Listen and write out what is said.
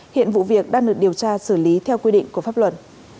hiện vụ việc đang được điều tra xử lý theo quy định của pháp luật